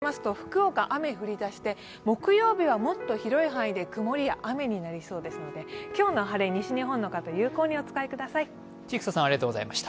明日になりますと福岡、雨、降り出して木曜日はもっと広い範囲で曇りや雨になりそうですので、今日の晴れ、西日本の方、有効にお使いください。